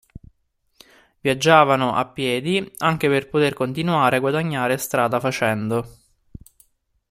Viaggiavano a piedi anche per poter continuare a guadagnare "strada facendo".